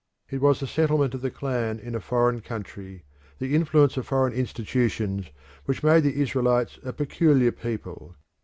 It was the settlement of the clan in a foreign country, the influence of foreign institutions, which made the Israelites a peculiar people.